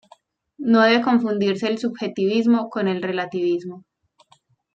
No debe confundirse el subjetivismo con el relativismo.